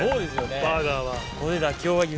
バーガーは。